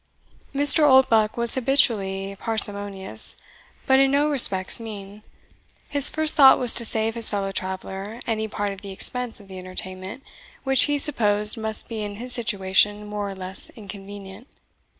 Mr. Oldbuck was habitually parsimonious, but in no respects mean; his first thought was to save his fellow traveller any part of the expense of the entertainment, which he supposed must be in his situation more or less inconvenient.